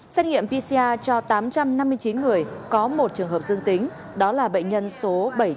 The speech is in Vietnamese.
xét nghiệm pcr cho tám trăm năm mươi chín người có một trường hợp dương tính đó là bệnh nhân số bảy trăm chín mươi